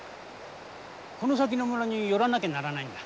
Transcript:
この先の村に寄らなきゃならないんだ。